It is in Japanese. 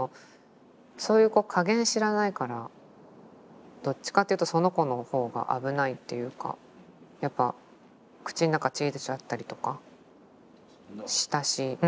そういう子加減知らないからどっちかっていうとその子のほうが危ないっていうかやっぱ口の中血出ちゃったりとかしたし。